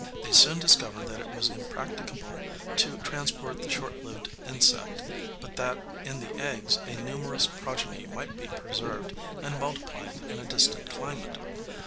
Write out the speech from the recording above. They soon discovered that it was impracticable to transport the short lived insect, but that in the eggs a numerous progeny might be preserved and multiplied in a distant climate.